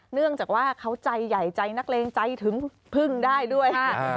เนื่องจากว่าเขาใจใหญ่ใจนักเลงใจถึงพึ่งได้ด้วยค่ะ